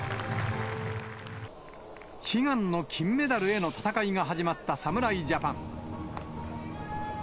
悲願の金メダルへの戦いが始まった侍ジャパン。